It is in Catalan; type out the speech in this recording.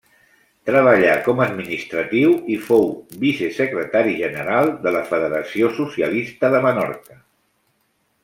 Treballà com administratiu i fou vicesecretari general de la Federació Socialista de Menorca.